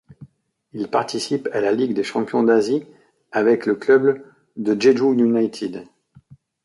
Il participe à la Ligue des champions d'Asie avec le club de Jeju United.